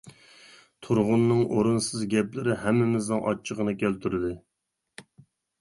تۇرغۇننىڭ ئورۇنسىز گەپلىرى ھەممىمىزنىڭ ئاچچىقىنى كەلتۈردى.